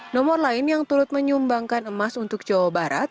nomor lain yang turut menyumbangkan emas untuk jawa barat